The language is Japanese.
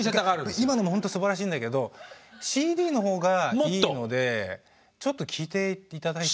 今のもほんとすばらしいんだけどＣＤの方がいいのでちょっと聴いて頂いて。